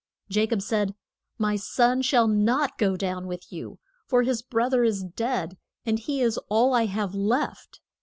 Ja cob said, My son shall not go down with you, for his broth er is dead, and he is all I have left.